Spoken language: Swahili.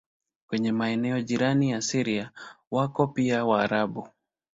Kwenye maeneo jirani na Syria wako pia Waarabu.